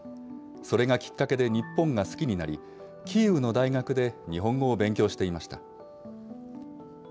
それがきっかけで日本が好きになり、キーウの大学で日本語を勉強していました。